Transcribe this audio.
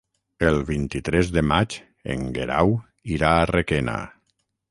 El vint-i-tres de maig en Guerau irà a Requena.